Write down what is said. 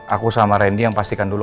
aku sama randy yang pastikan dulu